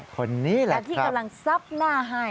คนนี้แหละแต่ที่กำลังซับหน้าให้